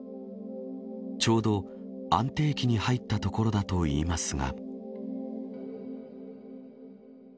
ちょうど安定期に入ったところだといいますが。